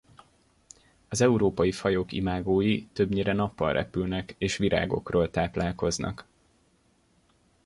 Az európai fajok imágói többnyire nappal repülnek és virágokról táplálkoznak.